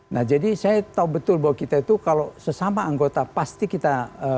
nah jadi saya tahu betul bahwa kita itu kalau sesama anggota pasti kita